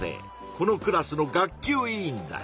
このクラスの学級委員だ。